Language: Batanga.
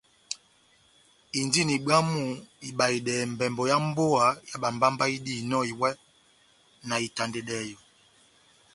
Indini bwámu ibahedɛ mbɛmbɔ yá mbówa yá bámbámbá idihinɔni iwɛ na itandedɛ yɔ́.